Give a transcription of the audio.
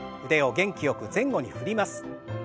腕を元気よく前後に振ります。